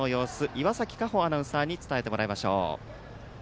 岩崎果歩アナウンサーに伝えてもらいましょう。